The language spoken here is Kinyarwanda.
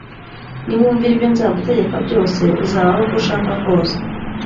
niwumvira ibyo nzagutegeka byose uzabaho uko ushaka kose